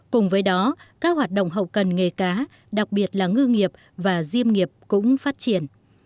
cùng với đó các hoạt động hậu cần nghề cá đặc biệt là ngư nghiệp và diêm nghiệp cũng phát triển